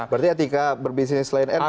berarti ya tiga berbisnis lion air bisa dikatakan